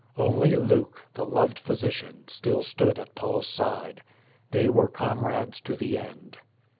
Only Luke, the loved physician, still stood at Paul's side. They were comrades to the end.